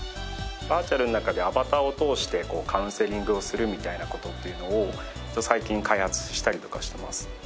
バーチャルの中でアバターを通してカウンセリングをするみたいな事っていうのを最近開発したりとかしてます。